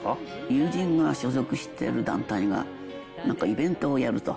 友人が所属してる団体が、なんかイベントをやると。